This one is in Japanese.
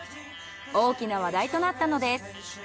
大きな話題となったのです。